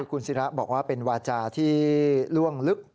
คุณศิราบอกว่าเป็นวาจาที่ล่วงลึก